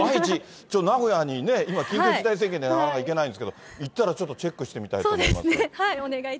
ちょっと愛知、名古屋にね、今、緊急事態宣言でなかなか行けないんですけど、行ったらチェックしてみたいと思います。